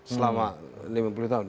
selama lima puluh tahun